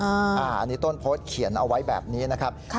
อันนี้ต้นโพสต์เขียนเอาไว้แบบนี้นะครับ